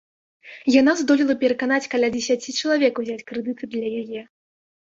Яна здолела пераканаць каля дзесяці чалавек узяць крэдыты для яе.